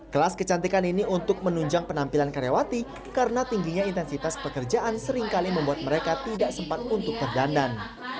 kelas kecantikan ini untuk menunjang penampilan karyawati karena tingginya intensitas pekerjaan seringkali membuat mereka tidak sempat untuk terdandan